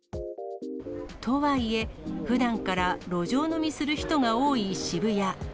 とはいえ、ふだんから路上飲みする人が多い渋谷。